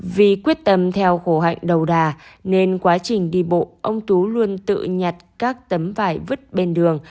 vì quyết tâm theo hồ hạnh đầu đà nên quá trình đi bộ ông tú luôn tự nhặt các tấm vải vứt bên đường